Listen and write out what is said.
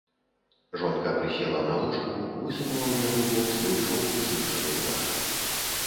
Жонка прысела на ложку, высунула ў яго бок свой жоўты змучаны твар.